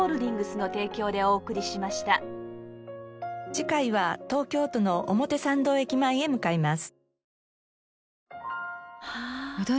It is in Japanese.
次回は東京都の表参道駅前へ向かいます。